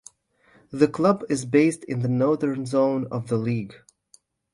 The club is based in the Northern Zone of the league.